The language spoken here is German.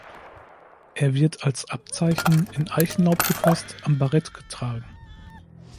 Er wird als Abzeichen in Eichenlaub gefasst am Barett getragen.